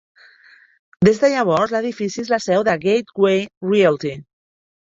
Des de llavors, l'edifici és la seu de Gateway Realty.